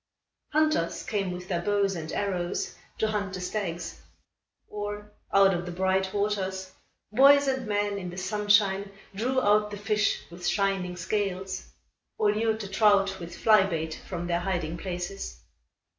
Hunters came with their bows and arrows to hunt the stags. Or, out of the bright waters, boys and men in the sunshine drew out the fish with shining scales, or lured the trout, with fly bait, from their hiding places.